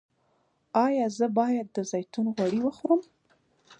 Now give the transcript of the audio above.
ایا زه باید د زیتون غوړي وخورم؟